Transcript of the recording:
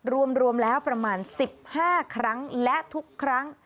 รวมแล้วประมาณ๑๕ครั้งและทุกครั้ง